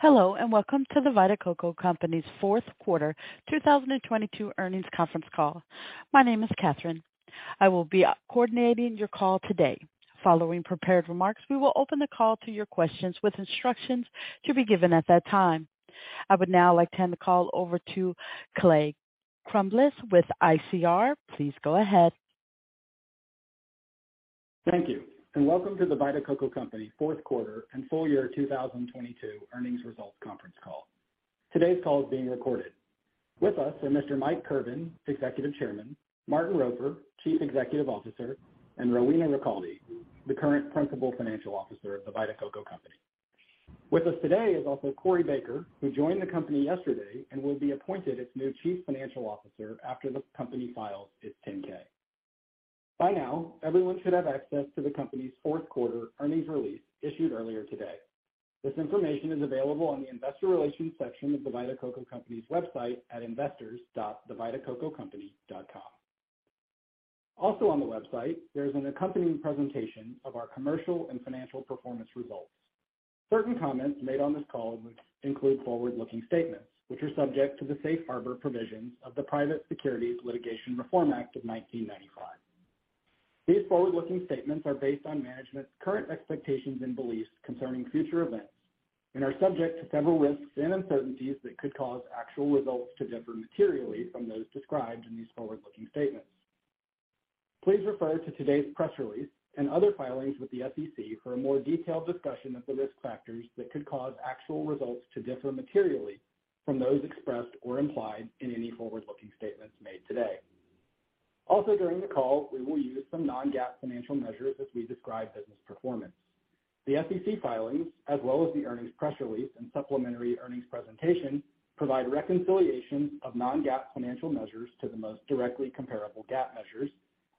Hello. Welcome to The Vita Coco Company's Fourth Quarter 2022 Earnings Conference Call. My name is Catherine. I will be coordinating your call today. Following prepared remarks, we will open the call to your questions with instructions to be given at that time. I would now like to hand the call over to Clay Crumbliss with ICR. Please go ahead. Thank you, and welcome to The Vita Coco Company Fourth Quarter and Full Year 2022 Earnings Results Conference Call. Today's call is being recorded. With us are Mr. Mike Kirban, Executive Chairman, Martin Roper, Chief Executive Officer, and Rowena Ricalde, the current Principal Financial Officer of The Vita Coco Company. With us today is also Corey Baker, who joined the company yesterday and will be appointed its new Chief Financial Officer after the company files its 10-K. By now, everyone should have access to the company's fourth quarter earnings release issued earlier today. This information is available on the Investor Relations section of The Vita Coco Company's website at investors.thevitacococompany.com. Also on the website, there is an accompanying presentation of our commercial and financial performance results. Certain comments made on this call include forward-looking statements, which are subject to the safe harbor provisions of the Private Securities Litigation Reform Act of 1995. These forward-looking statements are based on management's current expectations and beliefs concerning future events and are subject to several risks and uncertainties that could cause actual results to differ materially from those described in these forward-looking statements. Please refer to today's press release and other filings with the SEC for a more detailed discussion of the risk factors that could cause actual results to differ materially from those expressed or implied in any forward-looking statements made today. Also, during the call, we will use some non-GAAP financial measures as we describe business performance. The SEC filings, as well as the earnings press release and supplementary earnings presentation, provide reconciliations of non-GAAP financial measures to the most directly comparable GAAP measures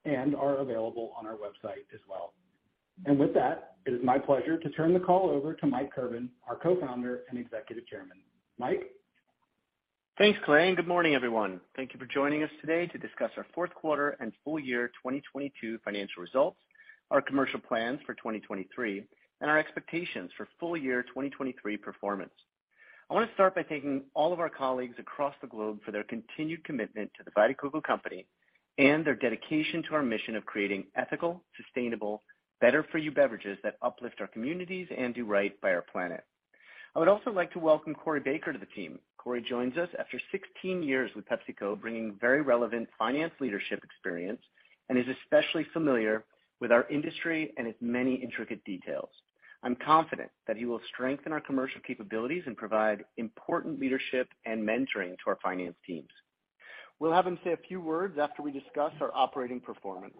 and are available on our website as well. With that, it is my pleasure to turn the call over to Mike Kirban, our Co-founder and Executive Chairman. Mike? Thanks, Clay. Good morning, everyone. Thank you for joining us today to discuss our Fourth Quarter and Full Year 2022 Financial Results, our commercial plans for 2023, and our expectations for full year 2023 performance. I want to start by thanking all of our colleagues across the globe for their continued commitment to The Vita Coco Company and their dedication to our mission of creating ethical, sustainable, better for you beverages that uplift our communities and do right by our planet. I would also like to welcome Corey Baker to the team. Corey joins us after 16 years with PepsiCo, bringing very relevant finance leadership experience and is especially familiar with our industry and its many intricate details. I'm confident that he will strengthen our commercial capabilities and provide important leadership and mentoring to our finance teams. We'll have him say a few words after we discuss our operating performance.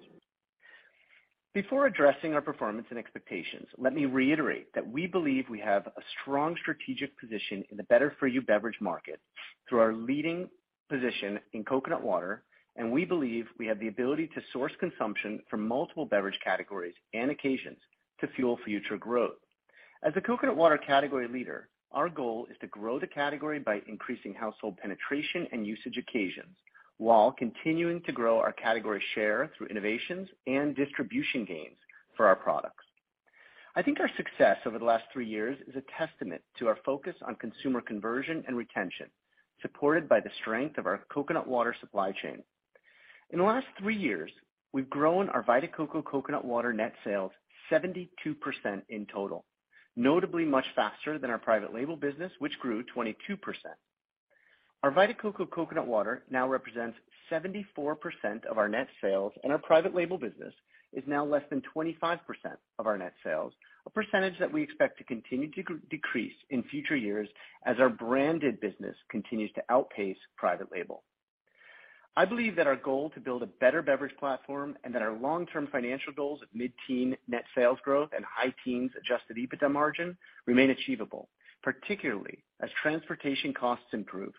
Before addressing our performance and expectations, let me reiterate that we believe we have a strong strategic position in the better for you beverage market through our leading position in coconut water, and we believe we have the ability to source consumption from multiple beverage categories and occasions to fuel future growth. As a coconut water category leader, our goal is to grow the category by increasing household penetration and usage occasions while continuing to grow our category share through innovations and distribution gains for our products. I think our success over the last three years is a testament to our focus on consumer conversion and retention, supported by the strength of our coconut water supply chain. In the last three years, we've grown our Vita Coco coconut water net sales 72% in total, notably much faster than our private label business, which grew 22%. Our Vita Coco coconut water now represents 74% of our net sales and our private label business is now less than 25% of our net sales, a percentage that we expect to continue to decrease in future years as our branded business continues to outpace private label. I believe that our goal to build a better beverage platform and that our long-term financial goals of mid-teen net sales growth and high teens Adjusted EBITDA margin remain achievable, particularly as transportation costs improve.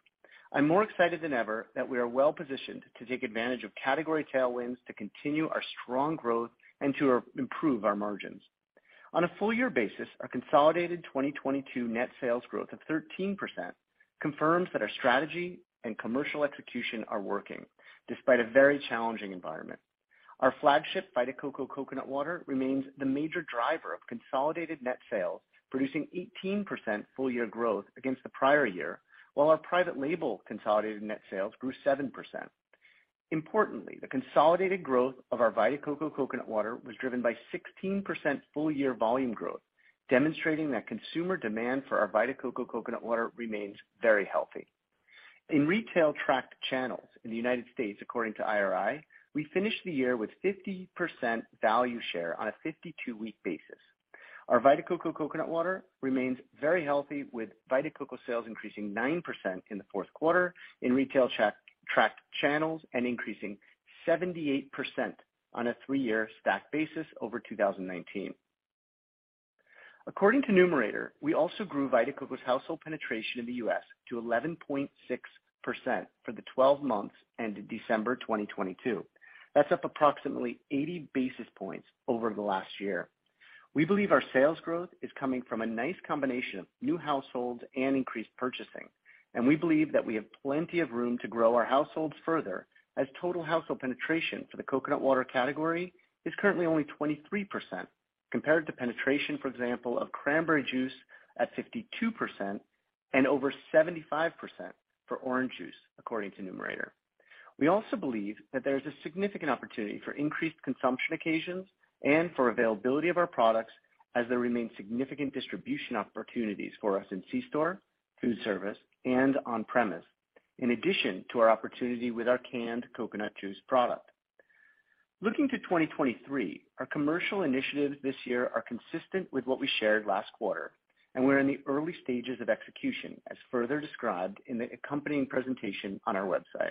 I'm more excited than ever that we are well-positioned to take advantage of category tailwinds to continue our strong growth and to improve our margins. On a full year basis, our consolidated 2022 net sales growth of 13% confirms that our strategy and commercial execution are working despite a very challenging environment. Our flagship Vita Coco coconut water remains the major driver of consolidated net sales, producing 18% full year growth against the prior year, while our private label consolidated net sales grew 7%. Importantly, the consolidated growth of our Vita Coco coconut water was driven by 16% full year volume growth, demonstrating that consumer demand for our Vita Coco coconut water remains very healthy. In retail tracked channels in the United States, according to IRI, we finished the year with 50% value share on a 52-week basis. Our Vita Coco coconut water remains very healthy, with Vita Coco sales increasing 9% in the fourth quarter in retail tracked channels and increasing 78% on a three-year stack basis over 2019. According to Numerator, we also grew Vita Coco's household penetration in the U.S. to 11.6% for the 12 months ended December 2022. That's up approximately 80 basis points over the last year. We believe our sales growth is coming from a nice combination of new households and increased purchasing. We believe that we have plenty of room to grow our households further as total household penetration for the coconut water category is currently only 23% compared to penetration, for example, of cranberry juice at 52% and over 75% for orange juice, according to Numerator. We also believe that there is a significant opportunity for increased consumption occasions and for availability of our products as there remains significant distribution opportunities for us in C store, food service, and on-premise, in addition to our opportunity with our canned coconut juice product. Looking to 2023, our commercial initiatives this year are consistent with what we shared last quarter. We're in the early stages of execution, as further described in the accompanying presentation on our website.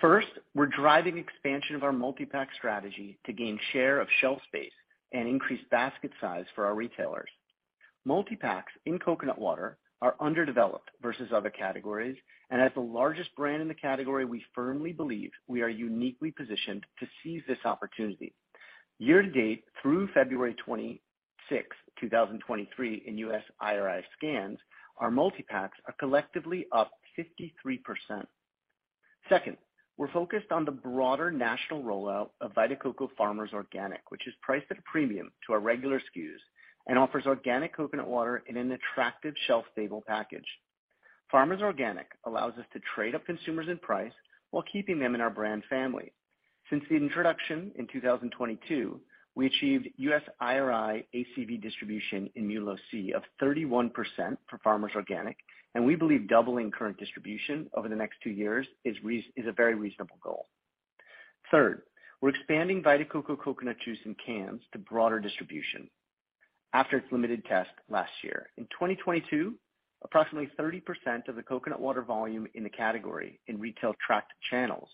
First, we're driving expansion of our multipack strategy to gain share of shelf space and increase basket size for our retailers. Multipacks in coconut water are underdeveloped versus other categories. As the largest brand in the category, we firmly believe we are uniquely positioned to seize this opportunity. Year to date through February 26, 2023 in U.S. IRI scans, our multipacks are collectively up 53%. Second, we're focused on the broader national rollout of Vita Coco Farmers Organic, which is priced at a premium to our regular SKUs and offers organic coconut water in an attractive shelf-stable package. Farmers Organic allows us to trade up consumers in price while keeping them in our brand family. Since the introduction in 2022, we achieved US IRI ACV distribution in MULO-C of 31% for Farmers Organic, and we believe doubling current distribution over the next 2 years is a very reasonable goal. Third, we're expanding Vita Coco Coconut Juice in cans to broader distribution after its limited test last year. In 2022, approximately 30% of the coconut water volume in the category in retail tracked channels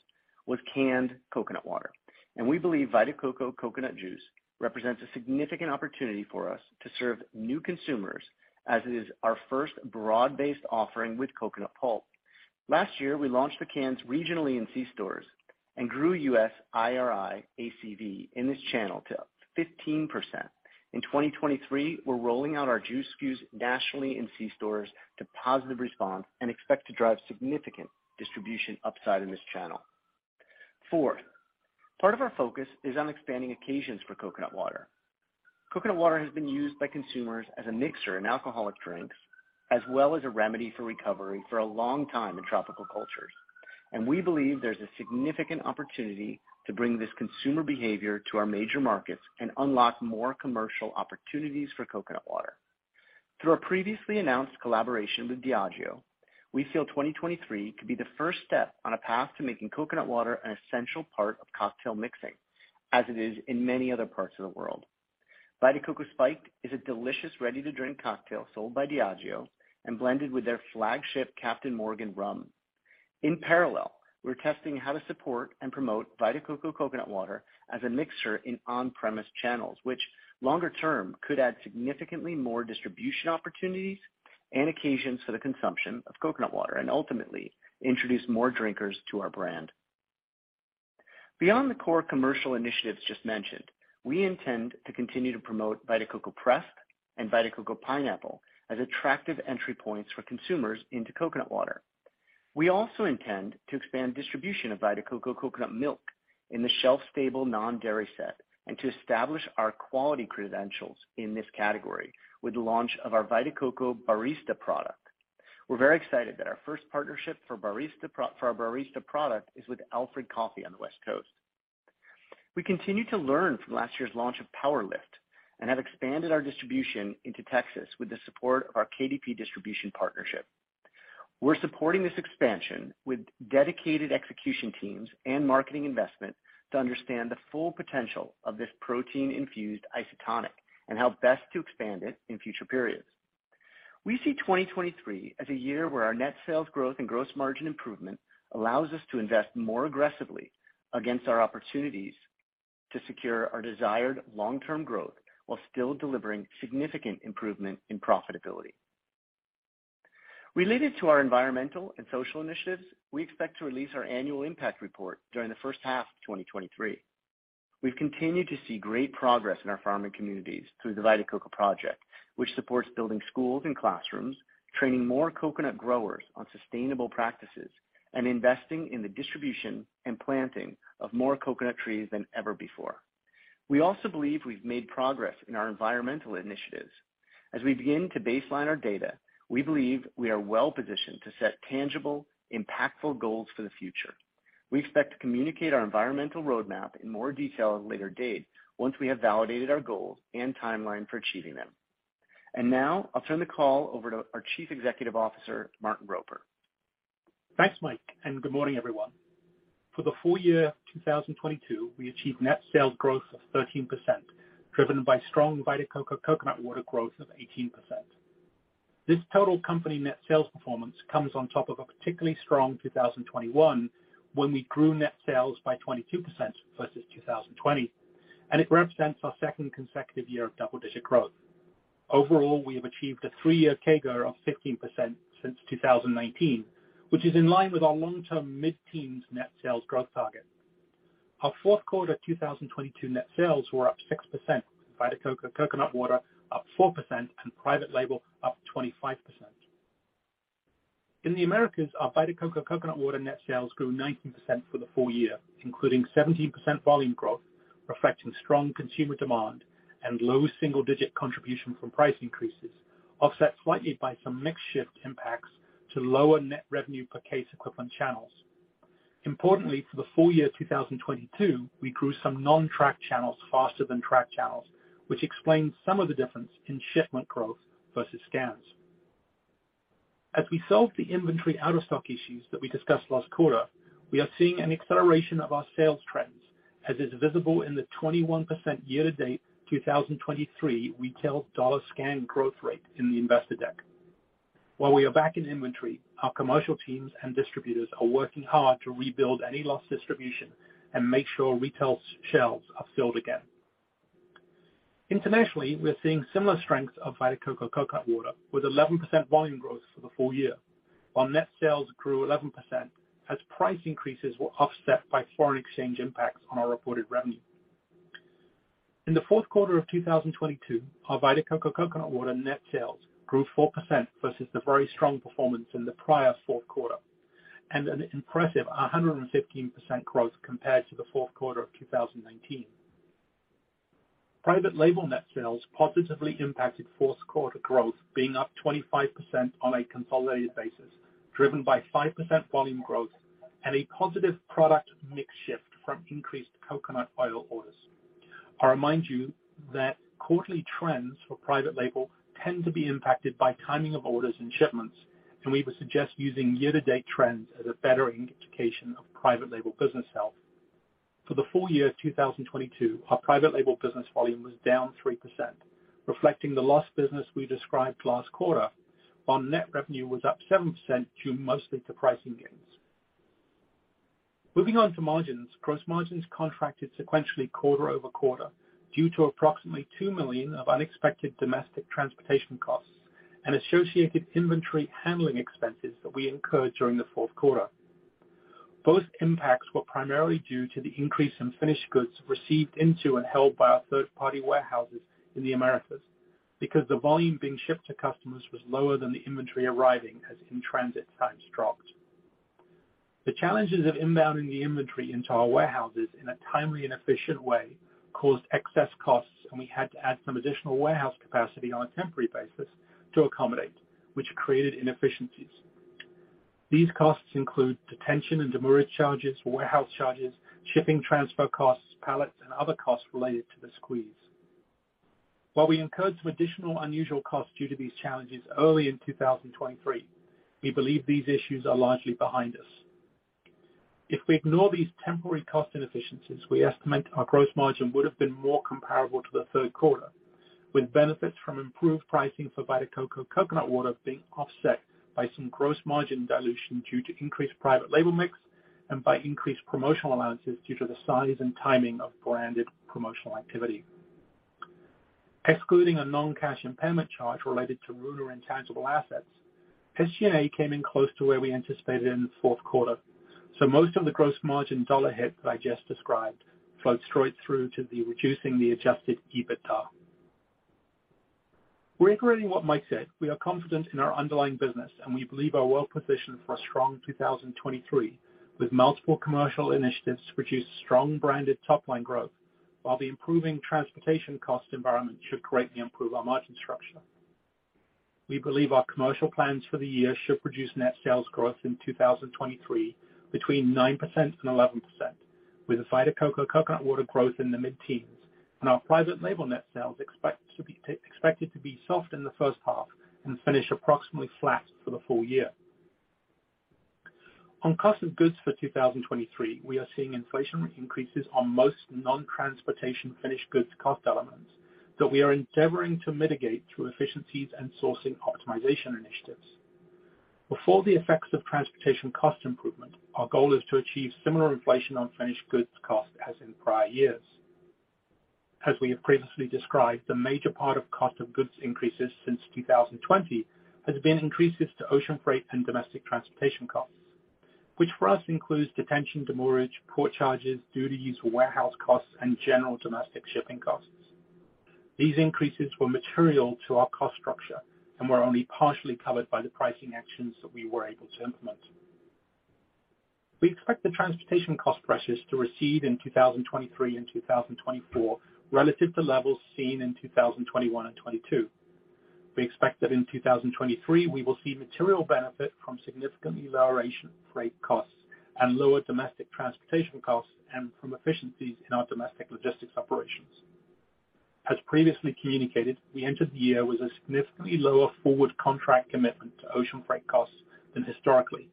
was canned coconut water. We believe Vita Coco Coconut Juice represents a significant opportunity for us to serve new consumers as it is our first broad-based offering with coconut pulp. Last year, we launched the cans regionally in C-stores and grew U.S. IRI ACV in this channel to 15%. In 2023, we're rolling out our juice SKUs nationally in C-stores to positive response and expect to drive significant distribution upside in this channel. Fourth, part of our focus is on expanding occasions for coconut water. Coconut water has been used by consumers as a mixer in alcoholic drinks, as well as a remedy for recovery for a long time in tropical cultures, and we believe there's a significant opportunity to bring this consumer behavior to our major markets and unlock more commercial opportunities for coconut water. Through our previously announced collaboration with Diageo, we feel 2023 could be the first step on a path to making coconut water an essential part of cocktail mixing as it is in many other parts of the world. Vita Coco Spiked is a delicious ready-to-drink cocktail sold by Diageo and blended with their flagship Captain Morgan rum. In parallel, we're testing how to support and promote Vita Coco coconut water as a mixer in on-premises channels, which longer term could add significantly more distribution opportunities and occasions for the consumption of coconut water and ultimately introduce more drinkers to our brand. Beyond the core commercial initiatives just mentioned, we intend to continue to promote Vita Coco Pressed and Vita Coco Pineapple as attractive entry points for consumers into coconut water. We also intend to expand distribution of Vita Coco coconut milk in the shelf-stable non-dairy set and to establish our quality credentials in this category with the launch of our Vita Coco Barista product. We're very excited that our first partnership for our Barista product is with Alfred Coffee on the West Coast. We continue to learn from last year's launch of PWR LIFT and have expanded our distribution into Texas with the support of our KDP distribution partnership. We're supporting this expansion with dedicated execution teams and marketing investment to understand the full potential of this protein-infused isotonic and how best to expand it in future periods. We see 2023 as a year where our net sales growth and gross margin improvement allows us to invest more aggressively against our opportunities to secure our desired long-term growth while still delivering significant improvement in profitability. Related to our environmental and social initiatives, we expect to release our annual impact report during the first half of 2023. We've continued to see great progress in our farming communities through the Vita Coco Project, which supports building schools and classrooms, training more coconut growers on sustainable practices, and investing in the distribution and planting of more coconut trees than ever before. We also believe we've made progress in our environmental initiatives. As we begin to baseline our data, we believe we are well-positioned to set tangible, impactful goals for the future. We expect to communicate our environmental roadmap in more detail at a later date once we have validated our goals and timeline for achieving them. Now I'll turn the call over to our Chief Executive Officer, Martin Roper. Thanks, Mike, and good morning, everyone. For the full year 2022, we achieved net sales growth of 13%, driven by strong Vita Coco Coconut Water growth of 18%. This total company net sales performance comes on top of a particularly strong 2021 when we grew net sales by 22% versus 2020, and it represents our second consecutive year of double-digit growth. Overall, we have achieved a three-year CAGR of 15% since 2019, which is in line with our long-term mid-teens net sales growth target. Our fourth quarter 2022 net sales were up 6%. Vita Coco Coconut Water up 4% and private label up 25%. In the Americas, our Vita Coco Coconut Water net sales grew 19% for the full year, including 17% volume growth, reflecting strong consumer demand and low single-digit contribution from price increases, offset slightly by some mix shift impacts to lower net revenue per case equivalent channels. Importantly, for the full year 2022, we grew some non-track channels faster than track channels, which explains some of the difference in shipment growth versus scans. As we solve the inventory out of stock issues that we discussed last quarter, we are seeing an acceleration of our sales trends, as is visible in the 21% year-to-date 2023 retail dollar scan growth rate in the investor deck. While we are back in inventory, our commercial teams and distributors are working hard to rebuild any lost distribution and make sure retail shelves are filled again. Internationally, we're seeing similar strengths of Vita Coco Coconut Water with 11% volume growth for the full year, while net sales grew 11% as price increases were offset by foreign exchange impacts on our reported revenue. In the fourth quarter of 2022, our Vita Coco Coconut Water net sales grew 4% versus the very strong performance in the prior fourth quarter, and an impressive 115% growth compared to the fourth quarter of 2019. Private label net sales positively impacted fourth quarter growth being up 25% on a consolidated basis, driven by 5% volume growth and a positive product mix shift from increased coconut oil orders. I remind you that quarterly trends for private label tend to be impacted by timing of orders and shipments. We would suggest using year-to-date trends as a better indication of private label business health. For the full year of 2022, our private label business volume was down 3%, reflecting the lost business we described last quarter, while net revenue was up 7% due mostly to pricing gains. Moving on to margins. Gross margins contracted sequentially quarter-over-quarter due to approximately $2 million of unexpected domestic transportation costs and associated inventory handling expenses that we incurred during the fourth quarter. Both impacts were primarily due to the increase in finished goods received into and held by our third-party warehouses in the Americas, because the volume being shipped to customers was lower than the inventory arriving as in-transit times dropped. The challenges of inbounding the inventory into our warehouses in a timely and efficient way caused excess costs, and we had to add some additional warehouse capacity on a temporary basis to accommodate, which created inefficiencies. These costs include detention and demurrage charges, warehouse charges, shipping transfer costs, pallets, and other costs related to the squeeze. While we incurred some additional unusual costs due to these challenges early in 2023, we believe these issues are largely behind us. If we ignore these temporary cost inefficiencies, we estimate our gross margin would have been more comparable to the third quarter, with benefits from improved pricing for Vita Coco Coconut Water being offset by some gross margin dilution due to increased private label mix and by increased promotional allowances due to the size and timing of branded promotional activity. Excluding a non-cash impairment charge related to Runa intangible assets, SGA came in close to where we anticipated in the fourth quarter, most of the gross margin dollar hit that I just described flowed straight through to the reducing the Adjusted EBITDA. Reiterating what Mike said, we are confident in our underlying business, and we believe are well positioned for a strong 2023 with multiple commercial initiatives to produce strong branded top-line growth, the improving transportation cost environment should greatly improve our margin structure. We believe our commercial plans for the year should produce net sales growth in 2023 between 9% and 11%, with Vita Coco Coconut Water growth in the mid-teens and our private label net sales expected to be soft in the first half and finish approximately flat for the full year. On cost of goods for 2023, we are seeing inflationary increases on most non-transportation finished goods cost elements that we are endeavoring to mitigate through efficiencies and sourcing optimization initiatives. Before the effects of transportation cost improvement, our goal is to achieve similar inflation on finished goods cost as in prior years. As we have previously described, the major part of cost of goods increases since 2020 has been increases to ocean freight and domestic transportation costs, which for us includes detention, demurrage, port charges, duties, warehouse costs, and general domestic shipping costs. These increases were material to our cost structure and were only partially covered by the pricing actions that we were able to implement. We expect the transportation cost pressures to recede in 2023 and 2024 relative to levels seen in 2021 and 2022. We expect that in 2023, we will see material benefit from significant amelioration of freight costs and lower domestic transportation costs and from efficiencies in our domestic logistics operations. As previously communicated, we entered the year with a significantly lower forward contract commitment to ocean freight costs than historically,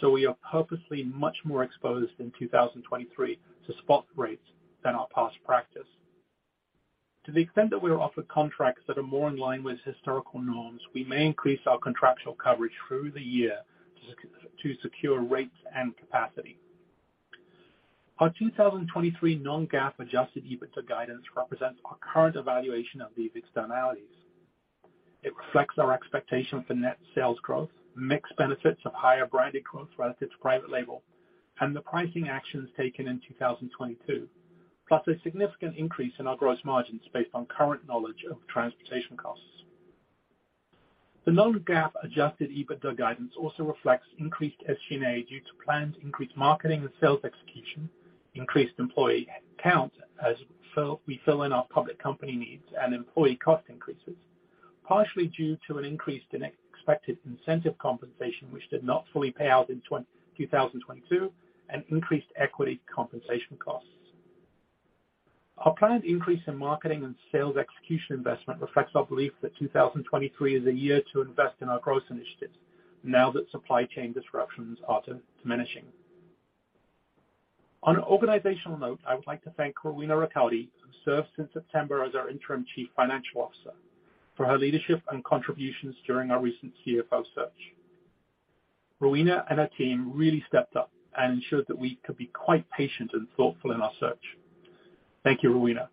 so we are purposely much more exposed in 2023 to spot rates than our past practice. To the extent that we are offered contracts that are more in line with historical norms, we may increase our contractual coverage through the year to secure rates and capacity. Our 2023 non-GAAP Adjusted EBITDA guidance represents our current evaluation of these externalities. It reflects our expectation for net sales growth, mixed benefits of higher branded growth relative to private label and the pricing actions taken in 2022, plus a significant increase in our gross margins based on current knowledge of transportation costs. The non-GAAP Adjusted EBITDA guidance also reflects increased SG&A due to planned increased marketing and sales execution, increased employee count as we fill in our public company needs and employee cost increases, partially due to an increase in expected incentive compensation which did not fully pay out in 2022, and increased equity compensation costs. Our planned increase in marketing and sales execution investment reflects our belief that 2023 is a year to invest in our growth initiatives now that supply chain disruptions are diminishing. On an organizational note, I would like to thank Rowena Ricalde, who served since September as our interim Chief Financial Officer, for her leadership and contributions during our recent CFO search. Rowena and her team really stepped up and ensured that we could be quite patient and thoughtful in our search. Thank you, Rowena.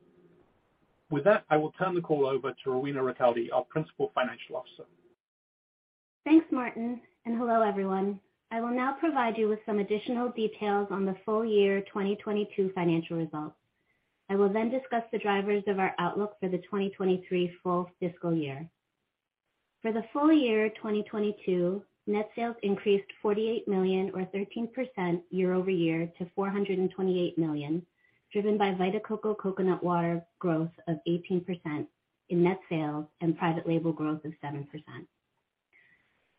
I will turn the call over to Rowena Ricalde, our Principal Financial Officer. Thanks, Martin, hello, everyone. I will now provide you with some additional details on the full year 2022 financial results. I will discuss the drivers of our outlook for the 2023 full fiscal year. For the full year 2022, net sales increased $48 million or 13% year-over-year to $428 million, driven by Vita Coco Coconut Water growth of 18% in net sales and private label growth of 7%.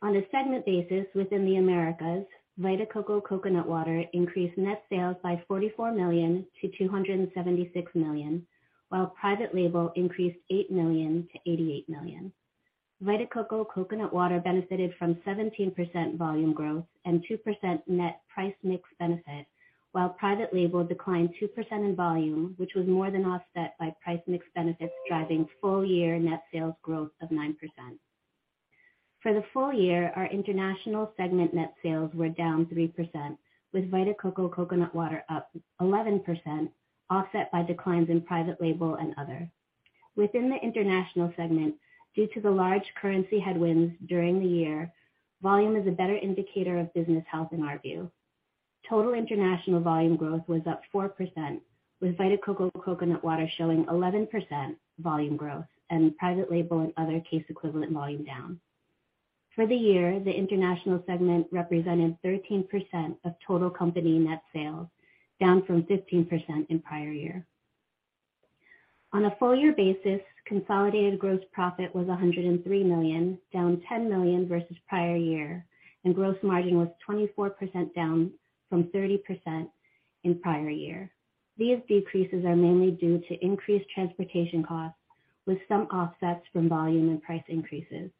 On a segment basis within the Americas, Vita Coco Coconut Water increased net sales by $44 million to $276 million, while private label increased $8 million to $88 million. Vita Coco Coconut Water benefited from 17% volume growth and 2% net price mix benefit, while private label declined 2% in volume, which was more than offset by price mix benefits, driving full year net sales growth of 9%. For the full year, our international segment net sales were down 3%, with Vita Coco Coconut Water up 11%, offset by declines in private label and other. Within the international segment, due to the large currency headwinds during the year, volume is a better indicator of business health in our view. Total international volume growth was up 4%, with Vita Coco Coconut Water showing 11% volume growth and private label and other case equivalent volume down. For the year, the international segment represented 13% of total company net sales, down from 15% in prior year. On a full year basis, consolidated gross profit was $103 million, down $10 million versus prior year. Gross margin was 24%, down from 30% in prior year. These decreases are mainly due to increased transportation costs with some offsets from volume and price increases.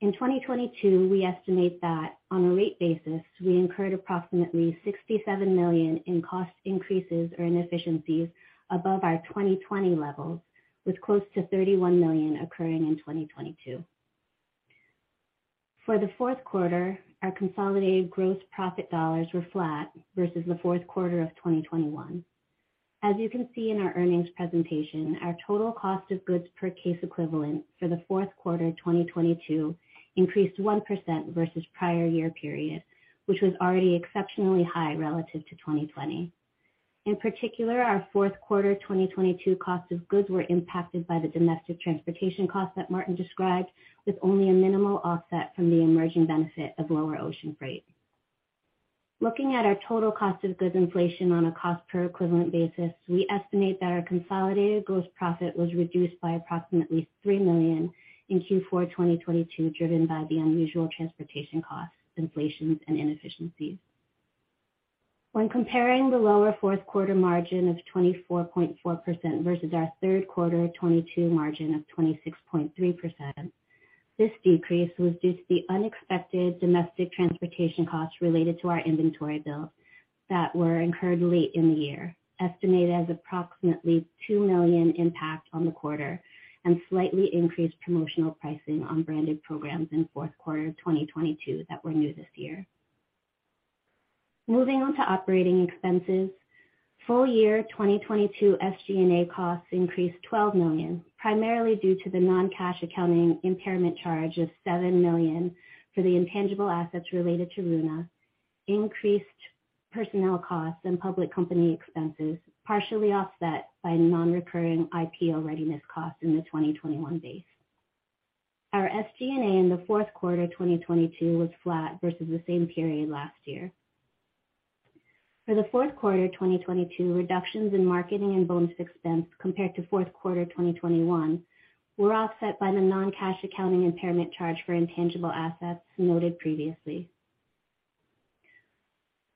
In 2022, we estimate that on a rate basis, we incurred approximately $67 million in cost increases or inefficiencies above our 2020 levels, with close to $31 million occurring in 2022. For the fourth quarter, our consolidated gross profit dollars were flat versus the fourth quarter of 2021. As you can see in our earnings presentation, our total cost of goods per case equivalent for the fourth quarter 2022 increased 1% versus prior year period, which was already exceptionally high relative to 2020. In particular, our fourth quarter 2022 cost of goods were impacted by the domestic transportation costs that Martin described, with only a minimal offset from the emerging benefit of lower ocean freight. Looking at our total cost of goods inflation on a cost per equivalent basis, we estimate that our consolidated gross profit was reduced by approximately $3 million in Q4 2022, driven by the unusual transportation costs, inflations and inefficiencies. When comparing the lower fourth quarter margin of 24.4% versus our third quarter 2022 margin of 26.3%, this decrease was due to the unexpected domestic transportation costs related to our inventory build that were incurred late in the year, estimated as approximately $2 million impact on the quarter, and slightly increased promotional pricing on branded programs in fourth quarter 2022 that were new this year. Moving on to operating expenses, full year 2022 SG&A costs increased $12 million, primarily due to the non-cash accounting impairment charge of $7 million for the intangible assets related to Runa, increased personnel costs and public company expenses, partially offset by non-recurring IPO readiness costs in the 2021 base. Our SG&A in the fourth quarter 2022 was flat versus the same period last year. For the fourth quarter 2022, reductions in marketing and bonus expense compared to fourth quarter 2021 were offset by the non-cash accounting impairment charge for intangible assets noted previously.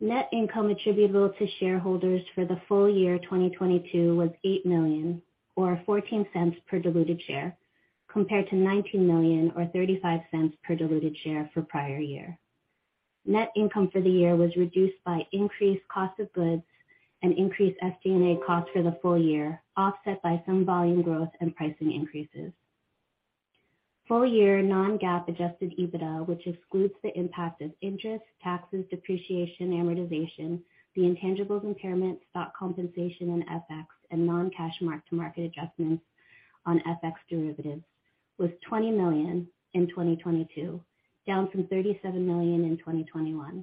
Net income attributable to shareholders for the full year 2022 was $8 million or $0.14 per diluted share, compared to $19 million or $0.35 per diluted share for prior year. Net income for the year was reduced by increased cost of goods and increased SG&A costs for the full year, offset by some volume growth and pricing increases. Full year non-GAAP Adjusted EBITDA, which excludes the impact of interest, taxes, depreciation, amortization, the intangibles impairment, stock compensation and FX and non-cash mark-to-market adjustments on FX derivatives, was $20 million in 2022, down from $37 million in 2021.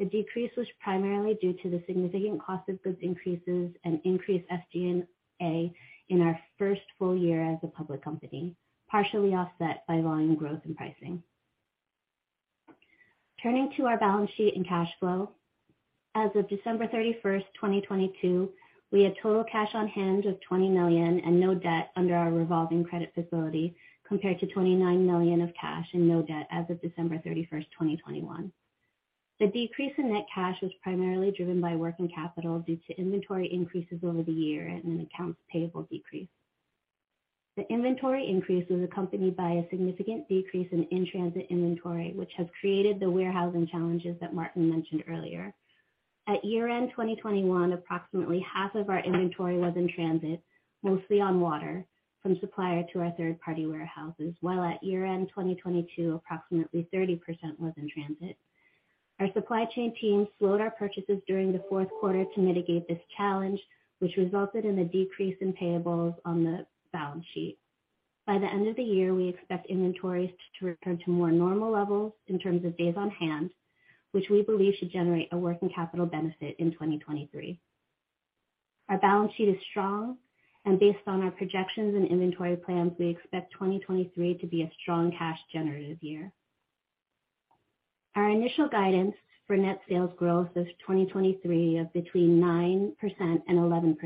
The decrease was primarily due to the significant cost of goods increases and increased SG&A in our first full year as a public company, partially offset by volume growth and pricing. Turning to our balance sheet and cash flow. As of December 31, 2022, we had total cash on hand of $20 million and no debt under our revolving credit facility compared to $29 million of cash and no debt as of December 31, 2021. The decrease in net cash was primarily driven by working capital due to inventory increases over the year and an accounts payable decrease. The inventory increase was accompanied by a significant decrease in transit inventory, which has created the warehousing challenges that Martin mentioned earlier. At year-end 2021, approximately half of our inventory was in transit, mostly on water from supplier to our third-party warehouses, while at year-end 2022, approximately 30% was in transit. Our supply chain team slowed our purchases during the fourth quarter to mitigate this challenge, which resulted in a decrease in payables on the balance sheet. By the end of the year, we expect inventories to return to more normal levels in terms of days on hand, which we believe should generate a working capital benefit in 2023. Our balance sheet is strong. Based on our projections and inventory plans, we expect 2023 to be a strong cash generative year. Our initial guidance for net sales growth of 2023 of between 9% and 11%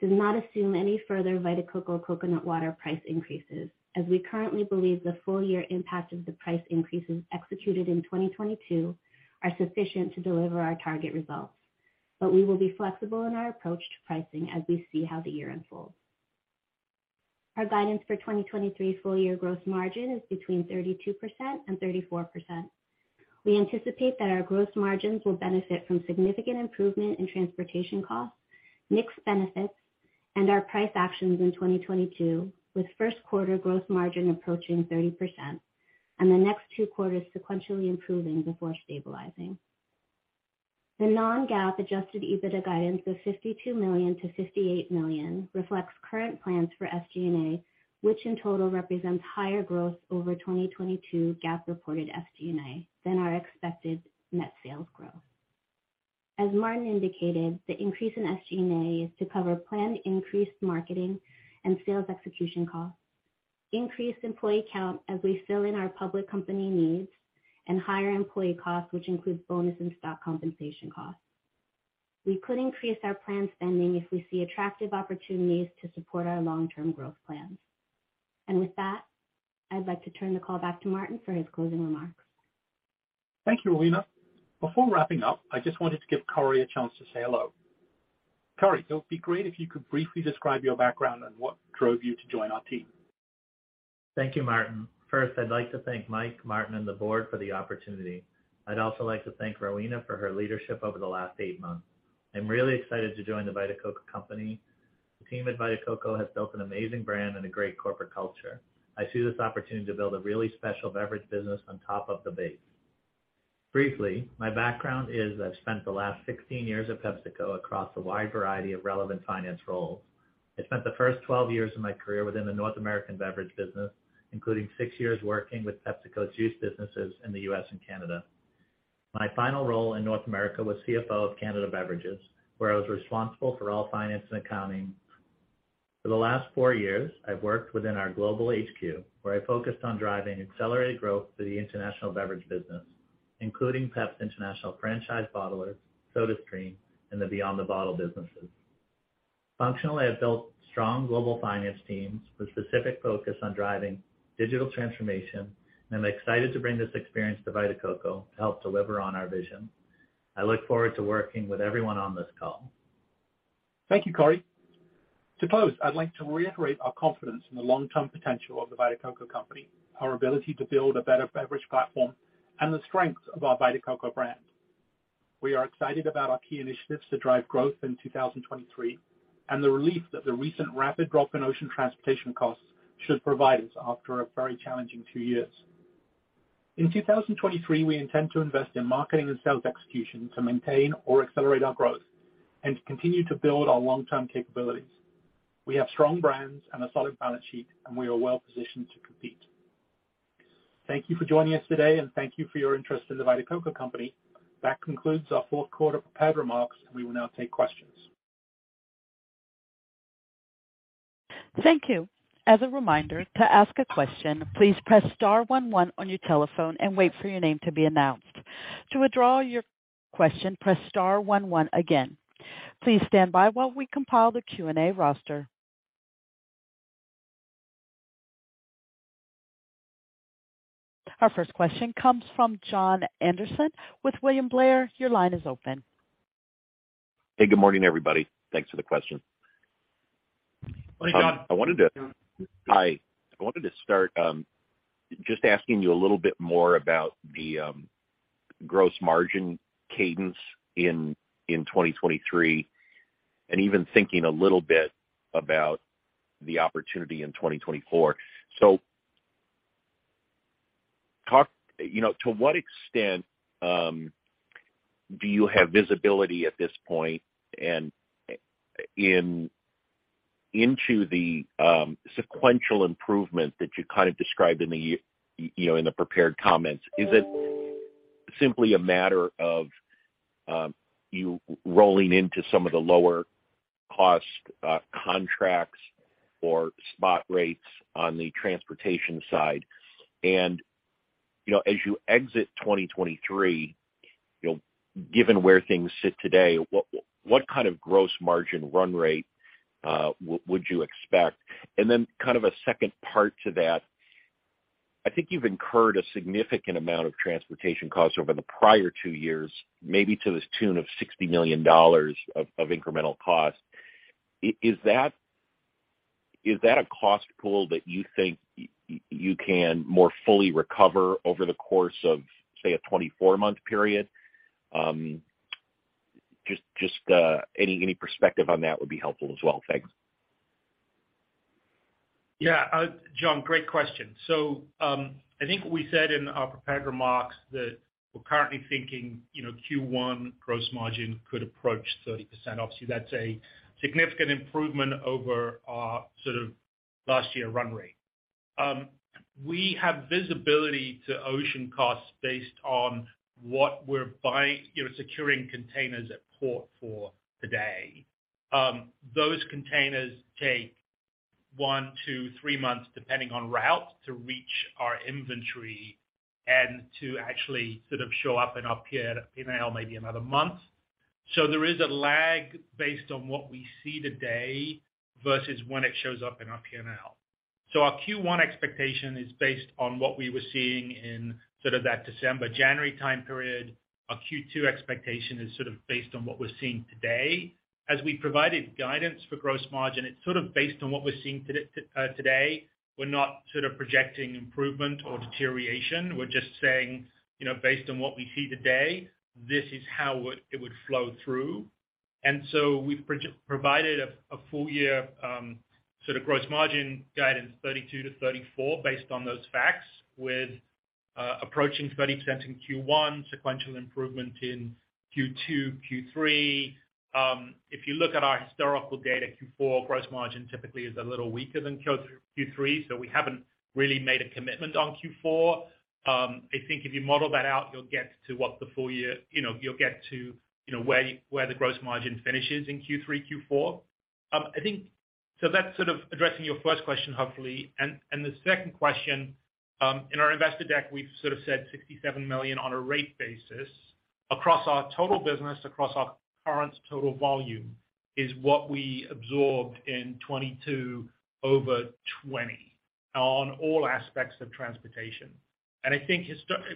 does not assume any further Vita Coco Coconut Water price increases, as we currently believe the full year impact of the price increases executed in 2022 are sufficient to deliver our target results. We will be flexible in our approach to pricing as we see how the year unfolds. Our guidance for 2023 full year gross margin is between 32% and 34%. We anticipate that our gross margins will benefit from significant improvement in transportation costs, mix benefits, and our price actions in 2022, with first quarter gross margin approaching 30% and the next two quarters sequentially improving before stabilizing. The non-GAAP Adjusted EBITDA guidance of $52 million-$58 million reflects current plans for SG&A, which in total represents higher growth over 2022 GAAP reported SG&A than our expected net sales growth. As Martin indicated, the increase in SG&A is to cover planned increased marketing and sales execution costs, increased employee count as we fill in our public company needs and higher employee costs, which includes bonus and stock compensation costs. We could increase our planned spending if we see attractive opportunities to support our long-term growth plans. With that, I'd like to turn the call back to Martin for his closing remarks. Thank you, Rowena. Before wrapping up, I just wanted to give Corey a chance to say hello. Corey, it would be great if you could briefly describe your background and what drove you to join our team. Thank you, Martin. First, I'd like to thank Mike, Martin, and the board for the opportunity. I'd also like to thank Rowena for her leadership over the last 8 months. I'm really excited to join The Vita Coco Company. The team at Vita Coco has built an amazing brand and a great corporate culture. I see this opportunity to build a really special beverage business on top of the base. Briefly, my background is I've spent the last 16 years at PepsiCo across a wide variety of relevant finance roles. I spent the first 12 years of my career within the North American beverage business, including 6 years working with PepsiCo's juice businesses in the U.S. and Canada. My final role in North America was CFO of Canada Beverages, where I was responsible for all finance and accounting. For the last four years, I've worked within our global HQ, where I focused on driving accelerated growth for the international beverage business, including Pepsi International franchise bottlers, SodaStream, and the Beyond the Bottle businesses. Functionally, I've built strong global finance teams with specific focus on driving digital transformation, and I'm excited to bring this experience to Vita Coco to help deliver on our vision. I look forward to working with everyone on this call. Thank you, Corey. To close, I'd like to reiterate our confidence in the long-term potential of The Vita Coco Company, our ability to build a better beverage platform and the strength of our Vita Coco brand. We are excited about our key initiatives to drive growth in 2023 and the relief that the recent rapid drop in ocean transportation costs should provide us after a very challenging 2 years. In 2023, we intend to invest in marketing and sales execution to maintain or accelerate our growth and to continue to build our long-term capabilities. We have strong brands and a solid balance sheet, and we are well-positioned to compete. Thank you for joining us today and thank you for your interest in The Vita Coco Company. That concludes our fourth quarter prepared remarks. We will now take questions. Thank you. As a reminder, to ask a question, please press star one one on your telephone and wait for your name to be announced. To withdraw your question, press star one one again. Please stand by while we compile the Q&A roster. Our first question comes from Jon Andersen with William Blair. Your line is open. Hey, good morning, everybody. Thanks for the question. Hey, Jon. Hi. I wanted to start just asking you a little bit more about the gross margin cadence in 2023 and even thinking a little bit about the opportunity in 2024. Talk, you know, to what extent do you have visibility at this point and into the sequential improvement that you kind of described in the prepared comments, is it simply a matter of you rolling into some of the lower cost contracts or spot rates on the transportation side? You know, as you exit 2023, you know, given where things sit today, what kind of gross margin run rate would you expect? Kind of a second part to that, I think you've incurred a significant amount of transportation costs over the prior two years, maybe to the tune of $60 million of incremental cost. Is that a cost pool that you think you can more fully recover over the course of, say, a 24-month period? Just any perspective on that would be helpful as well. Thanks. Yeah. Jon, great question. I think what we said in our prepared remarks that we're currently thinking, you know, Q1 gross margin could approach 30%. Obviously, that's a significant improvement over our sort of last year run rate. We have visibility to ocean costs based on what we're buying, you know, securing containers at port for today. Those containers take 1-3 months, depending on route, to reach our inventory and to actually sort of show up in our P&L, maybe another month. There is a lag based on what we see today versus when it shows up in our P&L. Our Q1 expectation is based on what we were seeing in sort of that December, January time period. Our Q2 expectation is sort of based on what we're seeing today. As we provided guidance for gross margin, it's sort of based on what we're seeing today. We're not sort of projecting improvement or deterioration. We're just saying, you know, based on what we see today, this is how it would flow through. We've provided a full year sort of gross margin guidance, 32-34 based on those facts with approaching 30% in Q1, sequential improvement in Q2, Q3. If you look at our historical data, Q4 gross margin typically is a little weaker than Q3, so we haven't really made a commitment on Q4. I think if you model that out, you'll get to what the full year, you know, you'll get to, you know, where the gross margin finishes in Q3, Q4. That's sort of addressing your first question, hopefully. The second question, in our investor deck, we've sort of said $67 million on a rate basis across our total business, across our current total volume is what we absorbed in 2022 over 2020 on all aspects of transportation. I think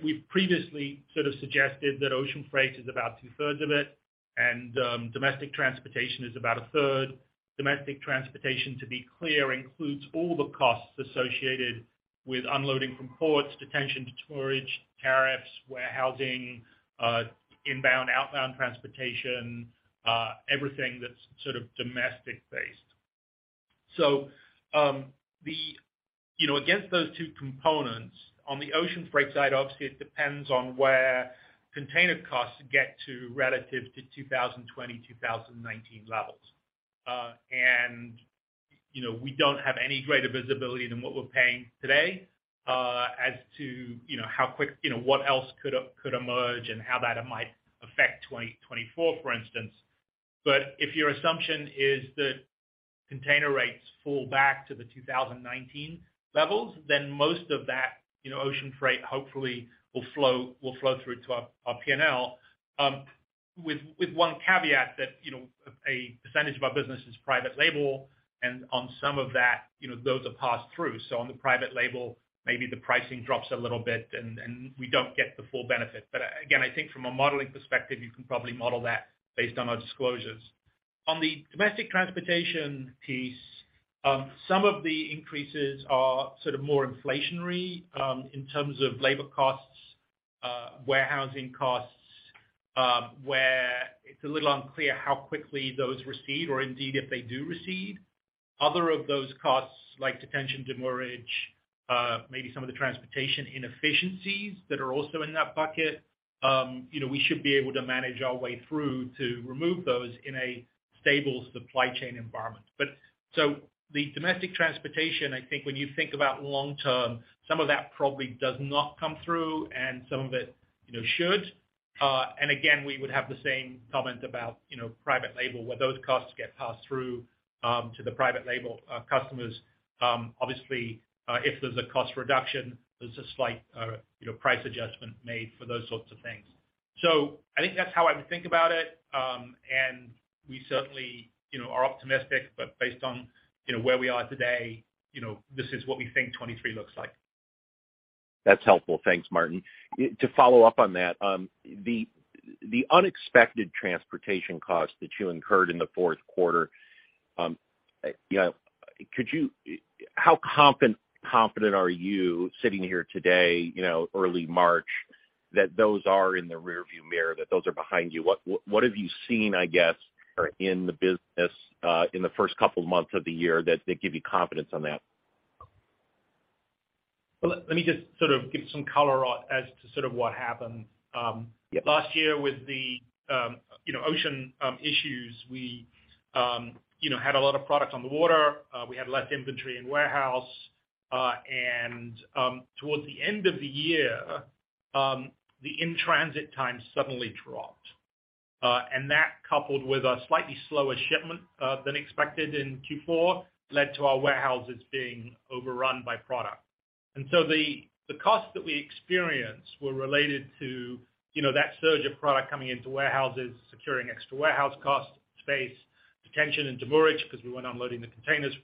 we've previously sort of suggested that ocean freight is about two-thirds of it and domestic transportation is about a third. Domestic transportation, to be clear, includes all the costs associated with unloading from ports, Detention Demurrage, tariffs, warehousing, inbound, outbound transportation, everything that's sort of domestic-based. You know, against those two components, on the ocean freight side, obviously, it depends on where container costs get too relative to 2020, 2019 levels. You know, we don't have any greater visibility than what we're paying today, as to, you know, how quick, you know, what else could emerge and how that might affect 2024, for instance. If your assumption is that container rates fall back to the 2019 levels, then most of that, you know, ocean freight hopefully will flow through to our P&L, with one caveat that, you know, a percentage of our business is private label, and on some of that, you know, those are passed through. On the private label, maybe the pricing drops a little bit and we don't get the full benefit. Again, I think from a modeling perspective, you can probably model that based on our disclosures. On the domestic transportation piece, some of the increases are sort of more inflationary, in terms of labor costs, warehousing costs, where it's a little unclear how quickly those recede or indeed if they do recede. Other of those costs like Detention Demurrage, maybe some of the transportation inefficiencies that are also in that bucket, you know, we should be able to manage our way through to remove those in a stable supply chain environment. The domestic transportation, I think when you think about long term, some of that probably does not come through and some of it, you know, should. Again, we would have the same comment about, you know, private label, where those costs get passed through to the private label customers. Obviously, if there's a cost reduction, there's a slight, you know, price adjustment made for those sorts of things. I think that's how I would think about it. We certainly, you know, are optimistic, but based on, you know, where we are today, you know, this is what we think 2023 looks like. That's helpful. Thanks, Martin. To follow up on that, the unexpected transportation costs that you incurred in the fourth quarter, you know, how confident are you sitting here today, you know, early March, that those are in the rearview mirror, that those are behind you? What have you seen, I guess, in the business, in the first couple of months of the year that give you confidence on that? Well, let me just sort of give some color on as to sort of what happened. Last year with the, you know, ocean issues, we, you know, had a lot of products on the water, we had less inventory in warehouse. And towards the end of the year, the in-transit time suddenly dropped. And that coupled with a slightly slower shipment than expected in Q4, led to our warehouses being overrun by product. So, the costs that we experienced were related to, you know, that surge of product coming into warehouses, securing extra warehouse costs, space, Detention and Demurrage because we weren't unloading the containers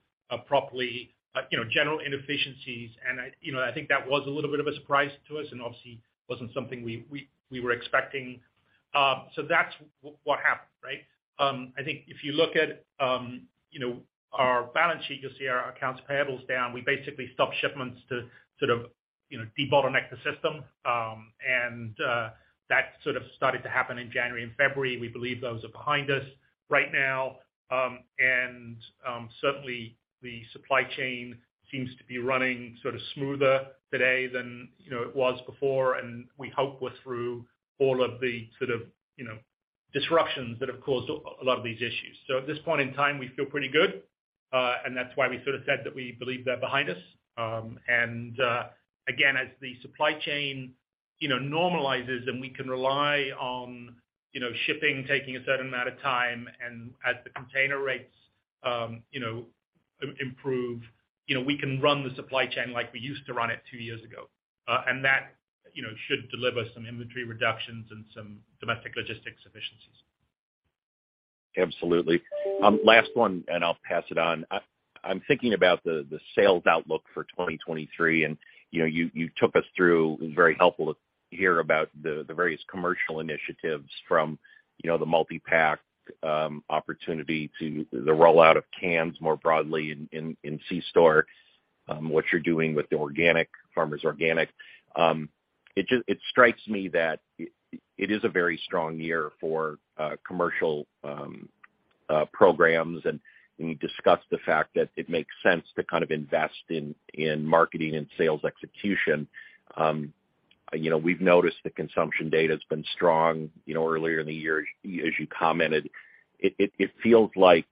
properly. You know, general inefficiencies and I, you know, I think that was a little bit of a surprise to us and obviously wasn't something we, we were expecting. That's what happened, right? I think if you look at, you know, our balance sheet, you'll see our accounts payable is down. We basically stopped shipments to sort of, you know, debottleneck the system. That sort of started to happen in January and February. We believe those are behind us right now. Certainly the supply chain seems to be running sort of smoother today than, you know, it was before, and we hope we're through all of the sort of, you know, disruptions that have caused a lot of these issues. At this point in time, we feel pretty good, and that's why we sort of said that we believe they're behind us. Again, as the supply chain, you know, normalizes and we can rely on, you know, shipping taking a certain amount of time, and as the container rates, you know, improve, you know, we can run the supply chain like we used to run it two years ago. That, you know, should deliver some inventory reductions and some domestic logistics efficiencies. Absolutely. Last one, and I'll pass it on. I'm thinking about the sales outlook for 2023. You know, you took us through, it was very helpful to hear about the various commercial initiatives from, you know, the multi-pack opportunity to the rollout of cans more broadly in C-store, what you're doing with the Farmers Organic. It strikes me that it is a very strong year for commercial programs. We discussed the fact that it makes sense to kind of invest in marketing and sales execution. You know, we've noticed the consumption data has been strong, you know, earlier in the year as you commented. It feels like